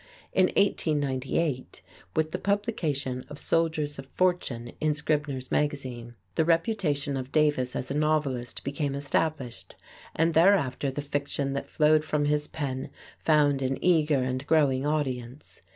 In 1898, with the publication of "Soldiers of Fortune" in Scribner's Magazine, the reputation of Davis as a novelist became established, and, thereafter, the fiction that flowed from his pen found an eager and growing audience.